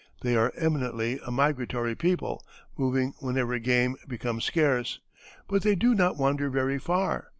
They are eminently a migratory people, moving whenever game becomes scarce, but they do not wander very far.